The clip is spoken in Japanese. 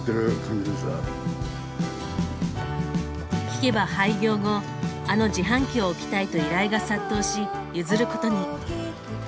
聞けば廃業後「あの自販機を置きたい」と依頼が殺到し譲ることに。